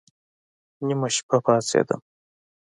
نيمه شپه پاڅېدم.